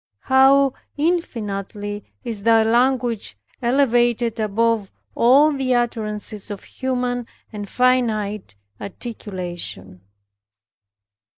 How infinitely is thy language elevated above all the utterances of human and finite articulation.